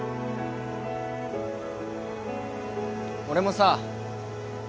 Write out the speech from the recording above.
俺もさ